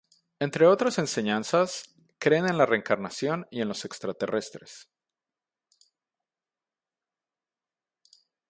Entre otras enseñanzas, creen en la reencarnación y en los extraterrestres.